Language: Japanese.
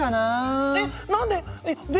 えっ何で？